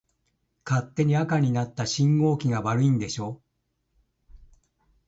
勝手に赤になった信号機が悪いんでしょ。